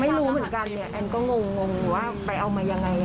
ไม่รู้เหมือนกันเนี่ยแอนก็งงว่าไปเอามายังไง